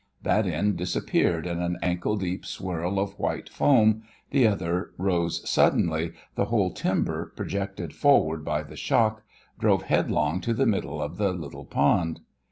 That end disappeared in an ankle deep swirl of white foam, the other rose suddenly, the whole timber, projected forward by the shock, drove headlong to the middle of the little pond.